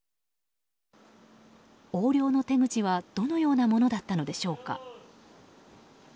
横領の手口は、どのようなものだったのでしょうか。